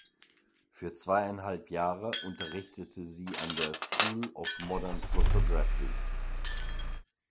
Für zweieinhalb Jahre unterrichtete sie an der "School of Modern Photography".